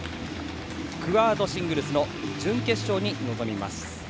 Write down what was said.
クアードシングルスの準決勝に臨みます。